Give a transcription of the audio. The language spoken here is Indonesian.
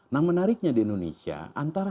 nah menariknya di indonesia antara